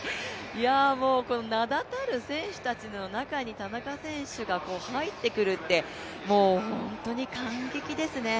名だたる選手たちの中に田中選手が入ってくるって、もう本当に感激ですね。